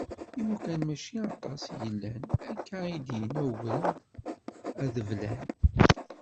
Imukan mačči aṭas i yellan, akka i d-yenna ugraw adeblan.